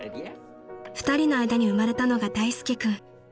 ［２人の間に生まれたのが大介君］